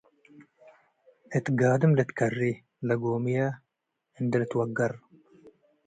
እት ጋድም ልትከሬ - ለጎምየ እንዴ ልትወገር